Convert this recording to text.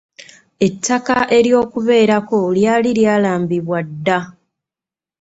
Ettaka ery'okubeerako lyali lyalambibwa dda.